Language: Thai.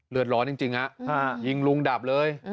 เดือดร้อนจริงฮะยิงลุงดับเลย